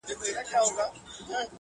ستا بې روخۍ ته به شعرونه ليکم!